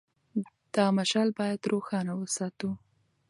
دا مشعل باید روښانه وساتو.